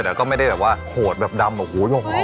แต่ก็ไม่ได้แบบโหดแบบดำโหร้